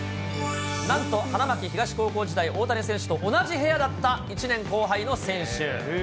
なんと、花巻東高校時代、大谷選手と同じ部屋だった１年後輩の選手。